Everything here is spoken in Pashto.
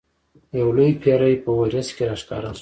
یو لوی پیری په وریځ کې را ښکاره شو.